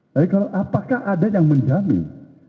tapi kalau apakah ada yang menjamin